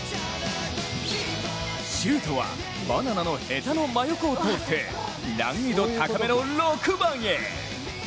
シュートはバナナのヘタの真横を通って難易度高めの６番へ。